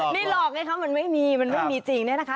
ไม่หรอกไงคะมันไม่มีมันไม่มีจริงเนี่ยนะคะ